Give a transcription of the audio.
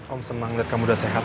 om senang lihat kamu udah sehat